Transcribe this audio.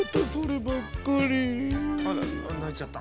あらないちゃった。